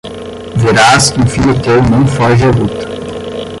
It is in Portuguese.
Verás que um filho teu não foge à luta